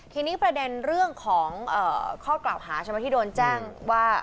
ทีนี้ประเด็นเรื่องของข้อกล่าวหาใช่ไหมที่โดนแจ้งว่า